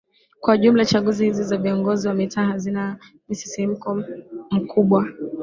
kwa ujumla chaguzi hizi za viongozi wa mitaa hazina msisimko mkubwa